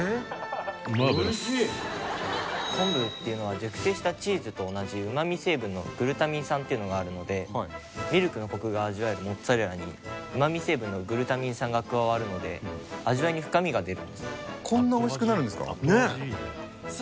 昆布っていうのは熟成したチーズと同じうまみ成分のグルタミン酸っていうのがあるのでミルクのコクが味わえるモッツァレラにうまみ成分のグルタミン酸が加わるので味わいに深みが出るんですね。